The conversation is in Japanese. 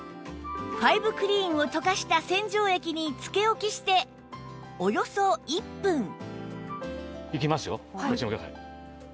ファイブクリーンを溶かした洗浄液につけ置きしておよそ１分いきますよ。